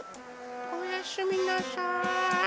おやすみなさい。